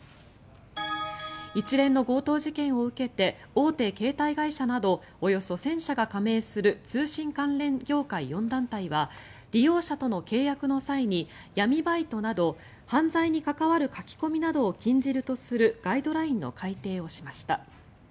一連の強盗事件を受けて大手携帯電話会社などおよそ１０００社が加盟する通信関連業界４団体は利用者との契約の際に闇バイトなど犯罪に関わる書き込みなどを禁じるとするガイドラインの改定をしました。